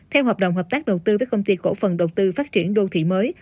theo hợp đồng hợp tác đầu tư với công ty cổ phần đầu tư phát triển đô thị mới